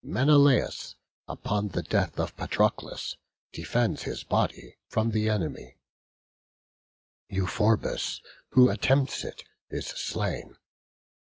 Menelaus, upon the death of Patroclus, defends his body from the enemy; Euphorbus, who attempts it, is slain.